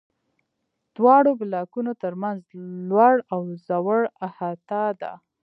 دواړو بلاکونو تر منځ لوړ او ځوړ احاطه ده.